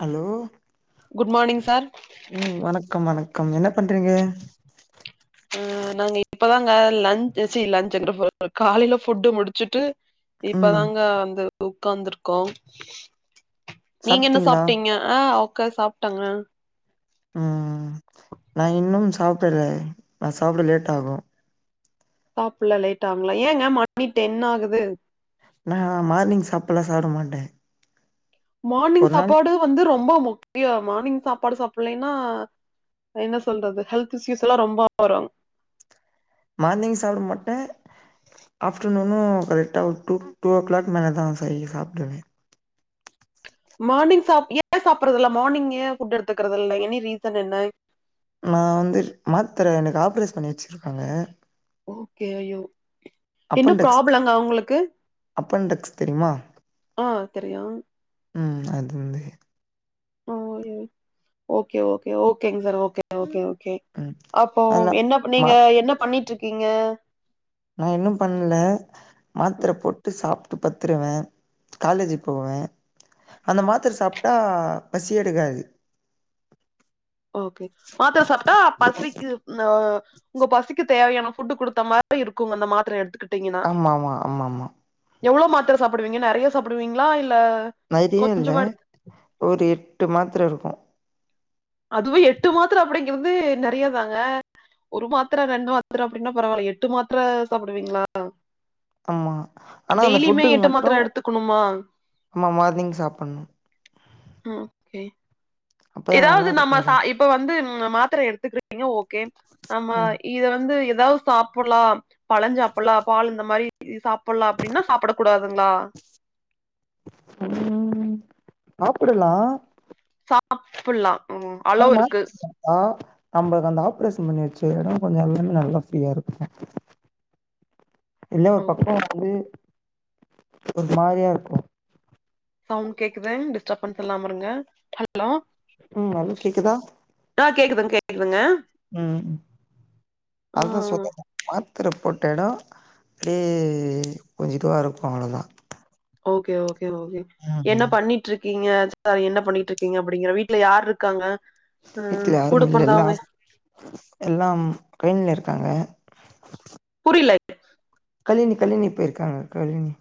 Hello good morning sir ம் வணக்கம் வணக் கம் என்ன பண்றீங்க அ நாங்க இப்பதாங்க லன் ச்சி லன்ச்ங்றே பாரு காலேல ஃபுட்டு முடிச்சுட்டு ம் இப்பதாங்க வந்து உக்காந்திர்க்கோ நீங்க என்ன சாப்ட்டீங்களா சாப்ட்டீங்க ஆ ஒக்கா சாப்ட்டங்க ம் நா இன்னும் சாப்புடல நா சாப்புட லேட் ஆகு சாப்புலா லேட் ஆங்குலா ஏங்க மணி டென் ஆகுது நா மார்னிங் சாப்புல்லா சாப்ட மாட்டே மார்னிங் ஒரு நாள் சாப்பாடு வந்து ரொம்பா முக்கியோ மார்னிங் சாப்பாடு சாப் பில்லைனா என்ன சொல்றது ஹெல்த் இஸ்யூஸ்சுலா ரொம்போ வரு மார்னிங் சாப்ட மாட்டே ஆஃப்டர்நூனூ கரெக்ட்டா டூ டூவோ கிளாக் மேலதா செய்யு சாப்டுவே மார்னிங் சாப் ஏ சாப்புறதில்ல மார்னிங் ஏ ஃபுட் எடுத்துக்கறதில்ல எனி ரீசன் என்ன நா வந்து மாத்தர எனக்கு ஆப்ரைஸ் பண்ணி வச்சிருக்காங்க ஓகே ஐயோ என்ன அப்பன்டெக்ஸ் ப்ராப்ளங்க உங்களுக்கு அப்பன்டெக்ஸ் தெரியுமா ஆ தெரியு ம் அதுந்து ஓ அயோ ஓகே ஓகே ஓகேங்சார் ஓ கே ஓகே ஓகே ம் அப்போ அதெல்லா என்ன மா நீங்க என்ன பண்ணிட்ருக்கீங்க நா இன்னு பண்ல மாத்ர ம். போட்டு சாப் ட்டு பத்துருவே காலேஜு போவே அந்த மாத்திர சாப்ட்டா பசி எடுக்காது ஓகே மாத்ர சாப்ட்டா பசிக் இது ம் அ உங்க பசிக்கு தேவையான ஃபுட்டு குடுத்த மாதிரி இருக்கு அந்த மாத்திர எடுத்துக்கிட் டிங்கன்னா ஆமா ஆமா ஆமா ஆமா எவ்வளவு மாத்திர சாப்பிடுவீங்க நெறைய சாப்பிடுவீங்களா இல் நெறைய இல்ல ஒரு எட்டு மாத்தர இருக்கு அதுவு எட்டு மாத்திர அப்படிங்கறது நெறையாதாங்க ஒரு மாத்திர ரெண்டு மாத்திர அப்படின்னா பரவாயில்ல எட்டு மாத்திர சாப்பிடுவீங்களா ஆமா ஆனா டெய்லியுமே எட்டு மாத்திர எடுத்துக்கணுமா மா மார்னிங் சாப்பிடணு ஹ ஓகே அப்பதா நல்லா ஏதாவது நம்ம இருக்கு சா ஒடம்பு இப்ப வந்து மாத்திர எடுத்துக்கிட்டீங்க ஓ கே நம ம் இது வந்து ஏ தாவது சாப்பிடலாம் பழம் சாப்பிடலாம் பால் இந்த மாரி இ சாப் பலாம் அப்படின்னா சாப்பிட கூடாதுங்களா சாப்பிடலா சாப்புல்லா [unintelligible] நம்மளுக்கு அந்த ஆப்ரேஷன் பண்ணி செய்யதா கொஞ்சம் எல்லாமே நல்லா ஃப்ரீயா இருக்குமே இல்ல ஒரு ஓகே. பக்கம் வந்து ஒரு மாரியா இருக்கும் சவுண்ட் கேக்குது டிஸ்டர்பன்ஸ் இல்லாம இருங்க ஹல் ஹலோ ம் ஹலோ கேக்குதா ஆஹ் கேக்குதுங் கேக்குதுங்க ஆ அதான் சொ [unintelligible] ரிப்போர்ட்டேடம் அப்படியே கொஞ்சிதுவாக இருக்கும் அவ்ளோதான் ஓகே ஓகே என்ன பண்ணிட்டுருக் கீங்க அ என்ன பண்ணிட்டு இருக்கீங்க அப்படிங்கிற வீட்டுல யாருக்காங்க வீட்ல யாருமில்ல எல்லாம் ஹாஸ் எல்லாம் ட்ரைன்லருக் காங்க இல்லை கலினி கலினி போயிருக்காங்க கலினி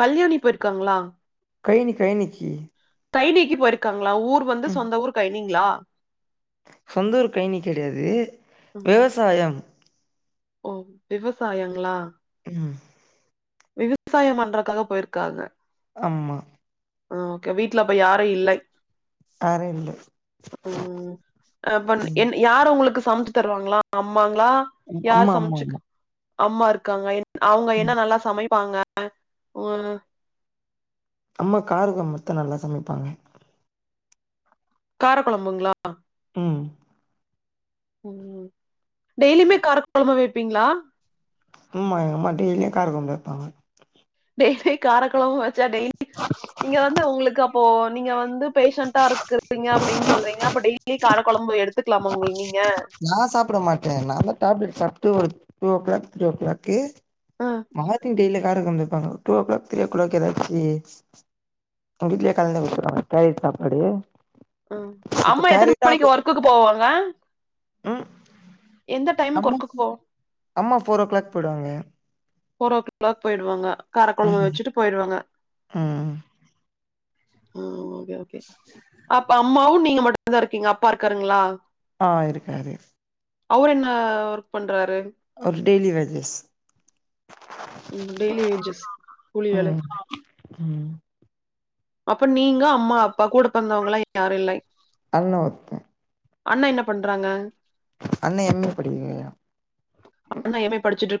கல்யாணி போயிருக்காங்களா கையினி கையினிக்கி தையினிக்கு போயிருக்காங்களா ஊர் வந்து சொந்த ஊர் கைய்னிங்ளா சொந்தூரு கையினி கிடையாது ம். விவசாயம் ஓ விவசாயங்களா ம் விவசாயம் பண்றக்காக போயிருக்காங்க ஆமா ஆஹ் ஓகே வீட்டுலப்போ யாரு இல்லை வேற இல்ல உம் அப்ப ம் என் யார உங்களுக்கு சமச்சிப் தருவாங்களா அம்மாங்களா யார் அம்மா அம்மா சமைச்சு அம்மா அம்மா இருக்காங்க என் அவங்க என்ன ம் நல்லா சமைப்பாங்க உ அம்மா காரக்குழம்பு மொத்தோ நல்லா சமைப்பாங்க காரக்கொழம்புங்களா உம் உம் டெய்லியுமே காரக்கொழம்பு வைப்பீங்களா ம்மா எங்கம்மா டெய்லியு காரகொழம்பு வப்பாங்க டெய்லி காரக்குழம்பு வச்சா டெய்லி இங்க வந்து உங்களுக்கு அப்போ நீங்க வந்து பேஷண்டா இருக்கறீங்க அப்படின்னு சொல்றீங்க அப்ப டெய்லி கார குழம்பு எடுத்துக்கலாமா உங்ளு நீங்க நான் சாப்பிட மாட்டேன் நான் தான் டேப்லெட் சாப்பிட்டு ஒரு டூ ஓ கிளாக் த்ரீ ஓ கிளாக்கே ம் மார்னிங் டெய்லியு காரக்கொழம்பு வப்பாங்கோ two o'clock three o'clock ஏதாச்சி வீ்ட்லே காலந்து வச்சிருவாங்க கேரட் சாப்பாடு ஹம் இப்ப அம்மா எத்தன மணிக்கு ஒர்க்குக்கு போவாங்க உம் எந்த டைமுக்கு அம்மா ஒர்க்குக்கு போவா அம்மா போர் ஓ கிளாக் போயிடுவாங்க போர் ஓ கிளாக் போயிடுவாங்க காரக் கொழம்பு ம் வச்சுட்டு போயிடுவாங்க ம் உம் ஓகே ஓகே அப்ப அம்மாவும் நீங்க மட்டும்தான் இருக்கீங்க அப்பா இருக்காருங்களா ஆஹ் இருக்காரு அவர் என்ன ஒர்க் பண்றாரு அவரு டெய்லி வேஜஸ் ம் டெய்லி வேஜஸ் கூலி வேல ம் ம் அப்ப நீங்க அம்மா அப்பா கூட பிறந்தவங்களா யாரூ இல்லை அண்ணா ஒருத்தன் அண்ணா என்ன பண்றாங்க அண்ணா எம் ஏ படிக்போய்க்கிறா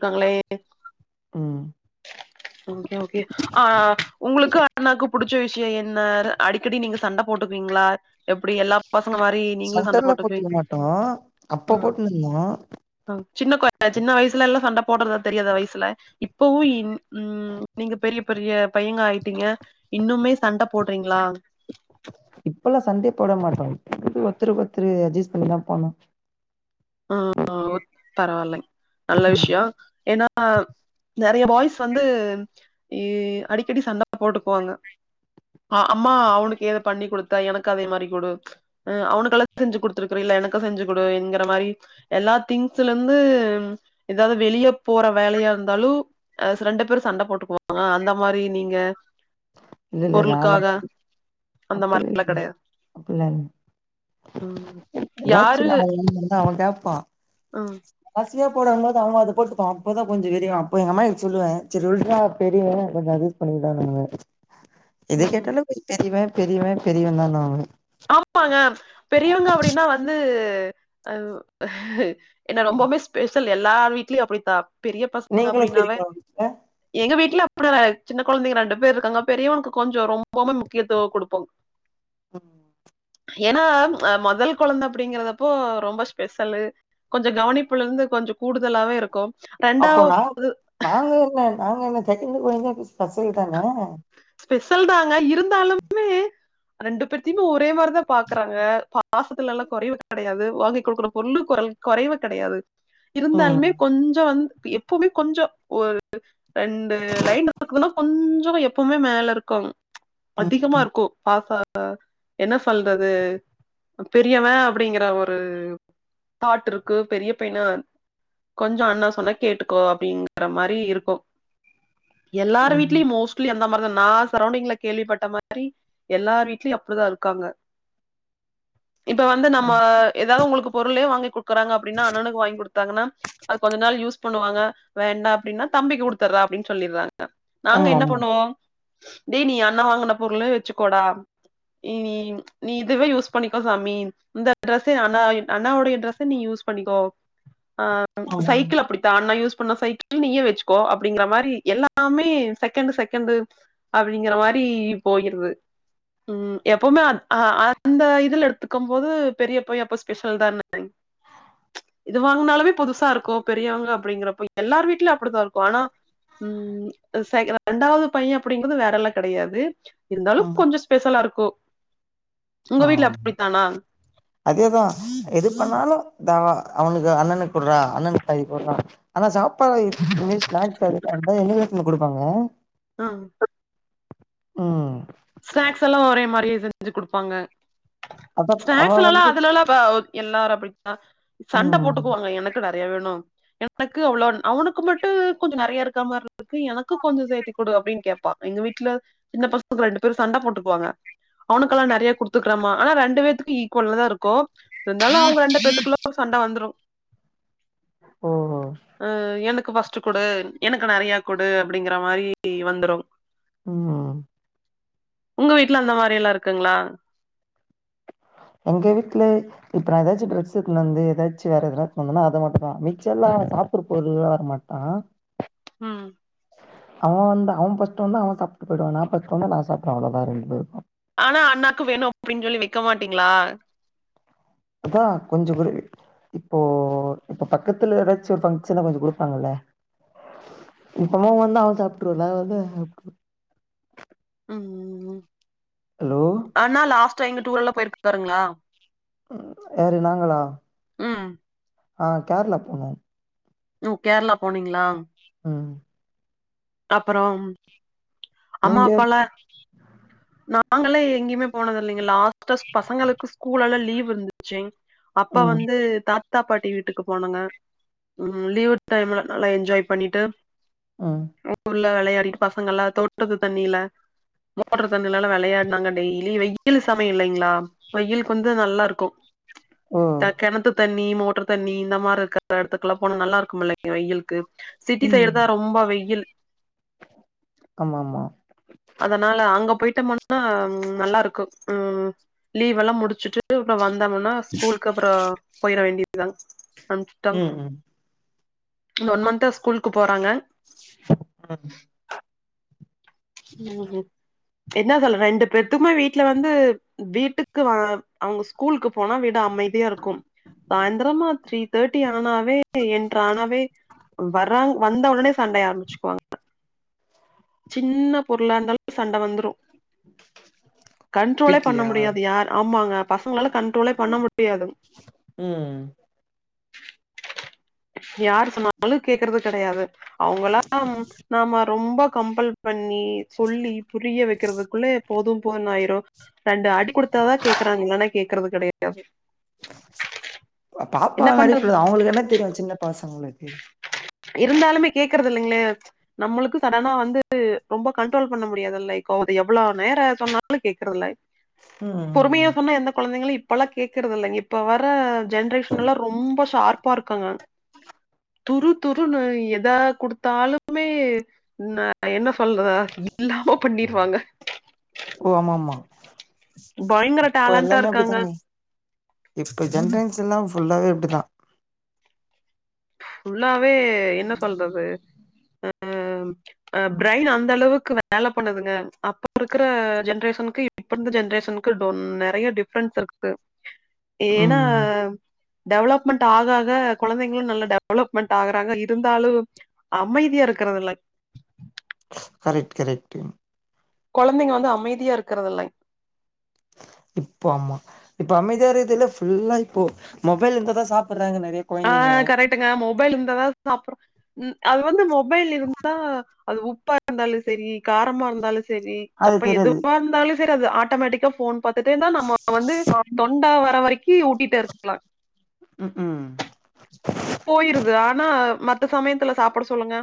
க்காங்களே ஓகே ஓகே ஆ உங்களுக்கு அண்ணாக்கு புடுச் ச்ச விஷயோ என்னாரு அடிக்கடி நீங்க சண்ட போட்டுக்குவீங்களா எப்டி எல்லா ப தங்க மாரி நீங்களும் சண்ட சண்டேல்லா போட்டு பி போட்டுக்க மாட்டோ ஆ அப்ப போட்டுனுருந்தோ ஆ சின்ன [unintelligible] சின்ன வயசுல எல்லா சண்ட போட்றதா தெரியாதா வயிசுல இப்பவு இன் ம் நீங்க பெரிய பெ ரிய பையங்க ஆயிட்டீங்க இன்னுமே சண்ட போட்றீங்களா இப்பல்லா சண்டயே போட மாட்டோம் [unintelligible] ஒத்தருக்கு ஒத்தரு அட்ஜஸ் பண்ணிதா போனோ ஆ [unintelligible] பரவாயில்லை நல்ல ம் விஷயோ ஏன்னா நறைய பாய்ஸ் வந்து இ அடிக்கடி சண்ட போட்டுக்குவாங்க அ அம்மா அவனுக்கு ஏத பண்ணி குடுத்தா எனக்கு அதே மாரி குடு அ அவனுக்கல்லா செஞ்சு குடுத்துருக்குற ல எனக்கு செஞ்சு குடு ங்கிற மாரி எல்லா திங்ஸ்லந்து ஏதாவது வெளிய போற வேலையா இருந்தாலு அ சிறன் ற பேரும் சண்ட போட்டுக்குவாங்க அந்த மாரி நீங்க இல்ல இல்ல நாளா பொருளுக்காக அந்த அப்புட்லா மாரிலா இல்லைங்க கெடையாது அப்புல்லா இல்ல ம் எதாச்சு [unintelligible] அவ தேவ் ஆ சியா போடங்போது அவங்க அத போட்டுப்பா அப்போதா கொஞ்சோ வெறி ஆ அப்போ எங்க அம்மாகிட் சொல்லுவே சரி விட்றா பெரிய கொஞ்ச அது யூஸ் பண்ணிக்கிடானுங்கன்னு இதே ம் கேட்டாலு கோ பெரியவே பெரியவே பெரியவே தா [unintelligible] ஆமாங்க பெரியவங்க அப்புடின்னா வந்து அவ் என்னா ரொம்போமே ஸ்பெஷல் எல்லார் வீட்லயும் அப்புடித்தா பெரிய பசங்க நீங்களு அப்புடின்னாவே பெரியவங்களா உங்க வீட்ல எங்க வீட்ல [unintelligible] சின்ன குழந்தைங்க ரெண்டு பேர்ருக்காங்க பெரியவனுக்கு கொஞ்சோ ரொம்பவும் முக்கியத்துவோ குடுபோம் உஹம் ஏன்னா அ மொதல் குழந்த அப்டிங்கிறதப்போ ரொம்ப ஸ்பெஷலு கொஞ்சோ கவனிப்புல இருந்து கொஞ் சோ கூடுதலாவே இருக்கும் அப்போ நா நாங்க என்ன நாங்க என்ன செகண்ட் கொழந்தையாக்கு ஸ்பெஷல் தானே ஸ்பெஷல் தாங்க இருந்தாலுமே ரெண்டு பேர்த்தையுமே ஒரே மாரி தா பாக்குறாங்க பாசத்துலல்லா கொறைவு கிடையாது வாங்கி் குடுக்குற பொருளு கொ அல் கொறைவு கிடையாது ம் இருந்தாலுமே கொஞ்சோ வந் க்கு எப்பமே கொஞ்சோ ஒரு ரெண்டு லைன் [unintelligible] கொஞ்சோமா எப் பமே மேல இருக்குங் அதிகமா ம் இருக்கூ பாச அ என்ன சொல்றது பெரியவ அப்டிங்கிற ஒரு தாட்ருக்கு பெரிய பைன கொஞ்சோ அண்ணா சொன்னா கேட்டுக்கோ அப்டிங்குற மாரி இருக்கும் எல்லாரு ம் வீட்லயும் மோஸ் லி அந்த மாரிதா நா சரோன்டிங்ல கேள்விப்பட்ட மாதிரி எல்லார் வீட்லயும் அப்புடிதா இருக்காங்க இப்ப வந்து நம்ம ஏதாவது உங்களுக்கு பொருளே வாங்கிகு க்குறாங்க அப்டின்னா அண்ணனுக்கு வாங்கி குடுத்தாங்கன்னா அது கொஞ்ச நாள் யூஸ் பண்ணுவாங்க வேண்டா அப்புடீன்னா தம்பிக்கு குடுத்துட்ற அப்புடீன்னு சொல்லிட்றாங்க நாங்க ஆமா என்ன ஆமா போ டேய் நீ அண்ணா வாங்குன பொருளே வெச்சுக்கோடா இத் நீ நீ இதுவே யூஸ் பண்ணிக்கோ சாமி இந்த ட்ரெஸ்ஸே அண்ணாயி அண்ணாவுடைய டிரெஸ நீ யூ ஸ் பண்ணிக்கோ அ ஆமா சைக்கிள் அப்பிடித்தா அண்ண யூஸ் பண்ண சைக்கிள் நீயே வெச்சுக்கோ அப்பிடிங்கற மாரி எல்லாமே செக் செகண்டு செகண்டு் அப்டிங்கிற மாரி போயிருது ம் எப்வுமே அந்த இதுல எடுத்துக்கும் போது பெரிய பைய எப்வு ஸ்பெஷல் தான இது வாங்குனாலுமே புதுசா இருக்கு பெரியவங்க அப்டிங்கிறப்ப எல்லார் வீட்லயு அப்பிடித்தா இருக்கு ஆனா ம் செகண ரெண்டாவது பைய அப்டிங்கது வேற எல்லா கெடையாது இருந்தாலு கொஞ்சோ ஸ்பெஷலா இருக்கு உங்க அ வீட்ல அப்படித்தானா அதேதா எது பண்ணாலு தாவ அவனுக்கு அண்ணனுக்கு குட்றா அண்ணனுக்கு பாதி குட்றா ஆனா சாப்பா [unintelligible] குடுப்பாங்க அ அ ஸ்நாக்ஸ் எல்லா ஒரே மாரியே செஞ்சு குடுப்பாங்க அத அவ ஸ்நாக்ஸ்ல்லா வந்து அதுல எல்லா எல்லாரு அப்பிடித்தா சண்ட ம். போட்டுக்குவாங்க எனக்கு நெறையா வேணு எனக்கு அவ்ளோ அவனுக்கு மட்டு கொஞ்சோ நெறைய இருக்க மாரி இருக்குது எனக்கு கொஞ்சோ சேர்த்தி குடு அப்டின்னு கேப்பா எங்க வீட்ல சின்ன பசங்க ரெண்டு பேர் பேரு சண்ட போட்டுக்குவாங்க அவனுக்கெல்லா நெறைய குடுத்துக்கறமா ஆனா ரெண்டு பேர்த்துக்கு ஈக்குவல்லா தா இருக்கு இருந்தாலு அவங்க ரெண்டு பேர்த்துக்குள்ள சண்ட வந்துரு ஓஹோ! அ எனக் பஸ்ட்டு குடு எனக்கு நெறைய குடு அப்டிங்கிற மாரி வந்துரு ம் உங்க வீட்ல அந்த மாரில்லா இருக்குங்ளா ஆஹ எங்க வீட்ல இப்ப நா எதாச்சு டிரஸ் எடுத்து வந்து எதாச்சு வேற எதனா பண்ணா அத மட்டு தா மிச்சொல்லா சாப் ப்புற போது வர மாட்டா ம் அவ வந்தா அவ ஃபர்ஸ்ட் வந்தா அவ சாப்ட்டு போயிடுவா நா ஃபர்ஸ்ட் வந்தா நா சாப்ட்ருவ அவ்ளோதா ரெண்டு பேருக்கு ஆனா அண்ணாக்கு வேணு அப்டின்னு சொல்லி வைக்க மாட்டீங்ளா அதா கொஞ்சோ குரிய இப்போ இப்ப பக்கத்துல எதாச்சு ஒரு பங்க்ஷன்னா கொஞ்சோ குடுப்பாங்கல்ல இப்பமு அவ வந்தா அவ சாப்பிற்றதா ம் ஆனா லாஸ்ட்டா எங்க டூர் எல்லா போயிருக்காருங்களா ம் யாரு நாங்களா? ம். அ கேர்ளா போனோ கேர்ளா போனீங்ளா ம் அப்புறம் அம்மா நீங்க? அப்பாலா நாங்களா எங்கயுமே போனது இல்லிங்க லாஸ்ட பசங்களுக்கு ஸ்கூலல்ல லீவ் இருந்துச்சு அப்ப ம். வந்து த தாத்தா பாட்டி வீட்டுக்கு போனாங்க ம் லீவ் டைம்ல நல்லா என்ஜாய் பண்ணிட்டு ம் நல்லா வெளையாடிட்டு பசங்கெல்லா தோட்டத்து தண்ணில ஓட்ர தண்ணிலல்லா வெளையாடி நாங்க டெய்லி வெயில் சமயம் இல்லிங்ளா வெயிலுக்கு வந்து நல்லா இருக்கு ஓ! தக் கெணத்து தண்ணி தண்ணி மோட்டர் தண்ணி இந்த மாரி இருக்குற எடத்துக்குல்லா போனா நல்லா இருக்குமில்ல வெயிலுக்கு சிட்டி சைடு தா ரொம்ப வெயில் ஆமா ஆமா அதனால அங்க போயிட்டோம்னா நல்லா இருக்கு ம் லீவ் எல்லா முடிசிட்டு வந்தமன்னா ஸ்கூலுக்கு அப்புறோ போய்ற வேண்டியதா ம் ம் இந்த ஒன் மன்த்தா ஸ்கூலுக்கு போறாங்க ம் ம் என்ன சொல்ல ரெண்டு பெத்துக்குமே வீட்ல வந்து வீட்டுக்கு வ அவுங்க ஸ்கூல்க்கு போனா வீ டே அமைதியா இருக்கும் சாயந்தரமா த்ரீ தேட்டி ஆனாவே என்றானாவே வர்றாங் வந்த உடனே சண்டைய ஆரம்பிச்சுக்குவாங்க சின்ன பொருளா இருந்தாலு சண்ட வந்துரு கண்ட்ரோலே பண்ண வீட்லயா முடியாது யார் ஆமா பசங்களால கண்ட்ரோலே பண்ண முடியாது ம் யார் சொன்னாலு கேக்கறது கெடையாது அவங்கலா நாம ரொம்ப கம்பல் பண் ணி சொல்லி புரிய வைக்கிறதுக்குள்ளே போது போதுன் ஆயிரு ரெண்டு அடி குடுத்தாதா கேக்கறாங்க இல்லனா கேக்கறது கெடையாது பாப்பாவ என்ன பண்றது அடிக்குடாது அவங்களுக்கு என்ன தெரியு சின்ன பசங்களுக்கு இருந்தாலுமே கேக்கறதில்லைங்ளே நம்மளுக்கு ஆனா வந்து ரொம்ப கண்ட்ரோல் பண்ண முடியாது லைக் எவ்ளோ நேர சொன்னாலு கேக்கறதில்ல பொறுமையா ம் சொன்னா எந்த கொழந்தைங்களு இப்பெல்லா கேக்குறதில்லங் இப்ப வர ஜென்ரேஷன் எல்லா ரொம்ப ஷார்ப்பா இருக்காங்க துரு துருனு எதா குடுத்தாலுமே ந என்ன சொல்ற இல்லாம பண்ணிடுவாங்க ஓ ஆமா ஆமா இப்ப எல்லாமே இருக்காங்க அப்படிதாங்க இப்ப ஜென்ரேசன் எல்லா ஃபுல்லாவே அப்டிதா ஃபுல்லாவே என்ன சொல்றது அ அ பிரைன் அந்த அளவுக்கு வேல பண்ணுதுங்க அப்ப இருக்கற ஜென்ரேஷன்க்கு இ ப்ப இருந்த ஜென்ரேஷனுக்கு டொ நெறையா டிஃப்ரென்ஸ் இருக்குது ஏன்னா ம் டெவலப்மெண்ட் ஆக ஆக கொழந்தைங்களு நல்ல டெ வலப்மென்ட் ஆகறாங்க இருந்தாலு அமைதியா இருக்குறதில்ல கரக்ட் கரக்ட்ங் கொழந்தைங்க வந்து அமைதியா இருக்குறதில்லை இப்பொ ஆமா இப்ப அமைதியா இருக்றதில்ல ஃபுல்லா இப்போ மொபைல் இருந்தாதா சாப் ஆ கரெக்ட்டுங்க மொபைல் இருந்தாதா சாப்படற ம் அது வந்து மொ பைல் இருந்தா அது உப்பா இருந்தாலு சரி காரமா இருந்தாலு சரி அது சப்பை தெரியாது எதுவா இருந்தாலு சரி அது ஆட்டோமேட்டிக்கா ஃபோன் பாத்துட்டேதா நம்ம வந்து தொண்ட வர வரைக்கு ஊட்டிட்டு இருக்கலா ம்ஹூம் போயிருது ஆனா மத்த சமயத்துல சாப்பட சொல்லுங்க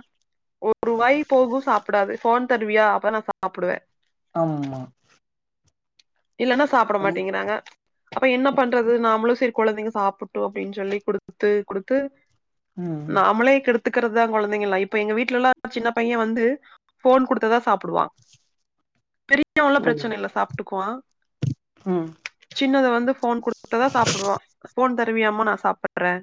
ஒரு வாய் போகு சாப்படாது ஃபோன் தருவியா அப்பதா நா சாப்பிடுவ அம்மா இல்லனா சாப்பிட மாட்டேங்கறாங்க அப்ப என்ன பண்றது நாமளு செரி கொழந்தைங்க சாப்புட்டு அப்படினு சொல்லி குடுத்து குடுத்து ம் நாமளே கெடுத் கறதுதா கொழந்தைங்கள இப்ப எங்க வீட்லலா சின்ன பைய வந்து ஃபோன் குடுத்தாதா சாப்டுவா பெரியவன்லா ஓ பிரச்சனை இல்ல சாப்ட்டுக்குவா ம் சின்னது வந்து ஃபோன் குடுத்தாதா சாப்டுவா ஃபோன் தருவியாமா நா சாப்படறே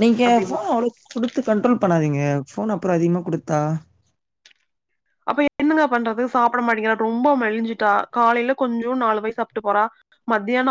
நீங்க ஃபோன் அவுளுக் குடு த்து கண்ட்ரோல் பண்ணாதிங்க ஃபோன் அப்பற அதிகமா குடுத்தா அப்ப என்னங்க பண்றது சாப்பிட மாட்டேங்கிறா ரொம்ப மெழிஞ்சுட்டா காலைல கொஞ்ச நாலு வாய் சாப்ட்டு போறா மத்யானொ